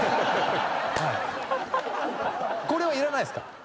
これはいらないっすか？